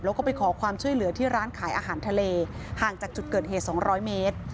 แล้วก็ไปขอความช่วยเหลือที่ร้านขายอาหารทะเลห่างจากจุดเกิดเหตุ๒๐๐เมตร